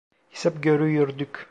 Hesap görüyorduk…